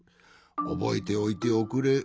おぼえておいておくれ。